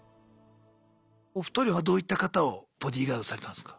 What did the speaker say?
お二人はどういった方をボディーガードされたんすか？